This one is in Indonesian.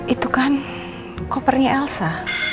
itu kan kopernya elsa